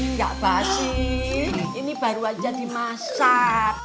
ini gak basi ini baru aja dimasak